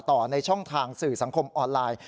ในช่องทางสื่อสังคมออนไลน์